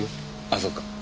あそっか。